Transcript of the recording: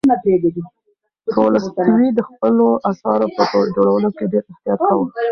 تولستوی د خپلو اثارو په جوړولو کې ډېر احتیاط کاوه.